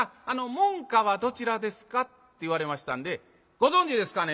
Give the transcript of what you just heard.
門下はどちらですか？」って言われましたんで「ご存じですかね。